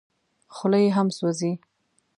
خوله یې هم سوځي .